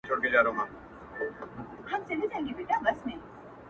چي مرگى سته، ښادي نسته.